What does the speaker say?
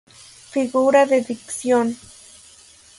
Figura de dicción!